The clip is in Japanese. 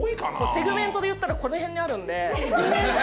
セグメントで言ったらこの辺にあるんで・セグメント？